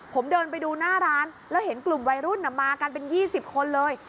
ผมเดินไปดูหน้าร้านแล้วเห็นกลุ่มวัยรุ่นมากันเป็น๒๐คนเลย